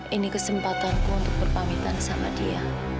ini kesempatanku untuk berpamitan sama dia